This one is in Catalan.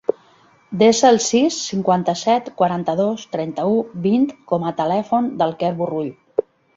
Desa el sis, cinquanta-set, quaranta-dos, trenta-u, vint com a telèfon del Quer Borrull.